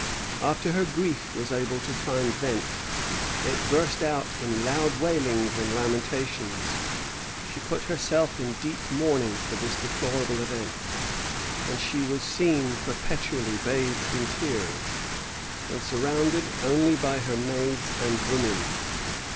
After her grief was able to find vent, it burst out in loud wailings and lamentations; she put herself in deep mourning for this deplorable event; and she was seen perpetually bathed in tears, and surrounded only by her maids and women.